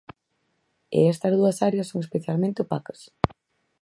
E estas dúas áreas son especialmente opacas.